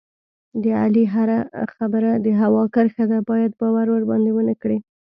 د علي هره خبره د هوا کرښه ده، باید باور ورباندې و نه کړې.